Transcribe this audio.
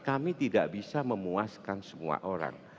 kami tidak bisa memuaskan semua orang